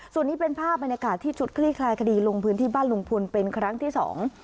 ส่วนนี้เป็นภาพบรรยากาศที่ชุดคลี่คลายคดีลงพื้นที่บ้านลุงพลเป็นครั้งที่สอง